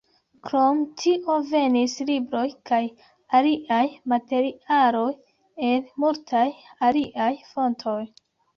Krom tio, venis libroj kaj aliaj materialoj el multaj aliaj fontoj.